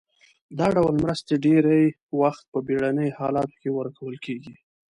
دا ډول مرستې ډیری وخت په بیړنیو حالاتو کې ورکول کیږي.